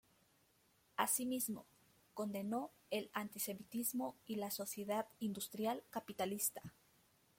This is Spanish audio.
Asimismo, condenó el antisemitismo y la sociedad industrial capitalista.